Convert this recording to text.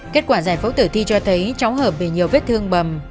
kết quả giải phẫu tử thi cho thấy cháu hợp bị nhiều vết thương bầm